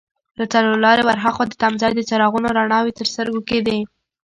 له څلور لارې ور هاخوا د تمځای د څراغونو رڼاوې تر سترګو کېدې.